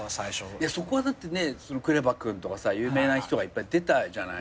そこはだってＫＲＥＶＡ君とか有名な人がいっぱい出たじゃない。